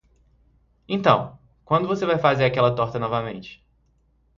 Então, quando você vai fazer aquela torta novamente?